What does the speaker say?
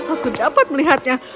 aku dapat melihatnya